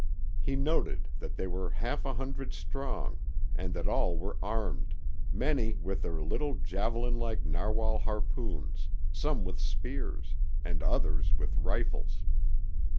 He noted that they were half a hundred strong, and that all were armed, many with their little javelin like narwhal harpoons, some with spears, and others with rifles.